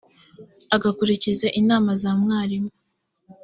agakurikiza inama za mwarimu